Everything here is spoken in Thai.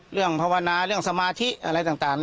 ภาวนาเรื่องสมาธิอะไรต่าง